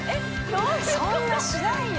そんなしないよ